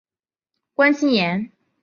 关心妍